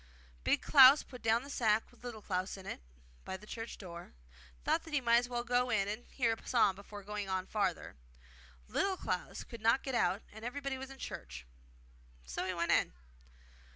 Big Klaus put down the sack with Little Klaus in it by the church door, and thought that he might as well go in and hear a psalm before going on farther. Little Klaus could not get out, and everybody was in church; so he went in.